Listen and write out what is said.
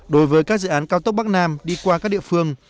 đối với các dự án cao tốc bắc nam đi qua các địa phương